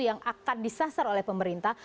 yang akan disasar oleh pemerintah